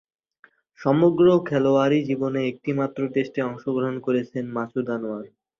সমগ্র খেলোয়াড়ী জীবনে একটিমাত্র টেস্টে অংশগ্রহণ করেছেন মাসুদ আনোয়ার।